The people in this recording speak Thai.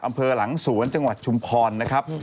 อำเภอหลังสวนจังหวัดชุมพรนะครับ